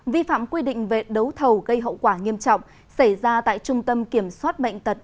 vi phạm quy định về đấu thầu gây hậu quả nghiêm trọng xảy ra tại trung tâm kiểm soát bệnh tật